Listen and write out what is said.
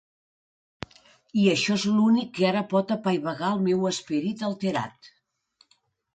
I això és l'únic que ara pot apaivagar el meu esperit alterat.